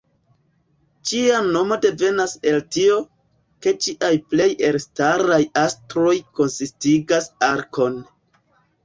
Ĝia nomo devenas el tio, ke ĝiaj plej elstaraj astroj konsistigas arkon.